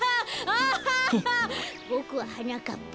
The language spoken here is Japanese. ボクははなかっぱ。